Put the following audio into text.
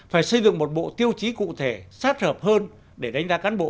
phải xây dựng một bộ tiêu chí cụ thể sát hợp hơn để đánh giá cán bộ